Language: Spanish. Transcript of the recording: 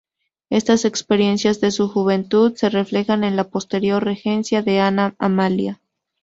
Estas experiencias de su juventud se reflejan en la posterior regencia de Ana Amalia.